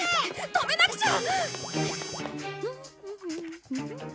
止めなくちゃ！